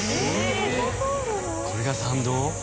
これが参道？